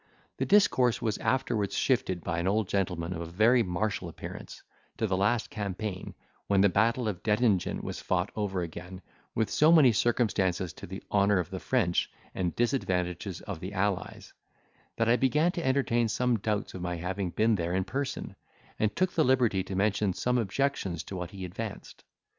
The discourse was afterwards shifted by an old gentleman, of a very martial appearance, to the last campaign, when the battle of Dettingen was fought over again, with so many circumstances to the honour of the French and disadvantages if the Allies, that I began to entertain some doubts of my having been there in person, and took the liberty to mention some objections to what he advanced.